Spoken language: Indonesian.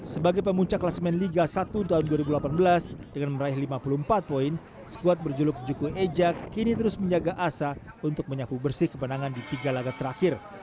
sebagai pemunca kelasmen liga satu tahun dua ribu delapan belas dengan meraih lima puluh empat poin squad berjuluk juku eja kini terus menjaga asa untuk menyapu bersih kemenangan di tiga laga terakhir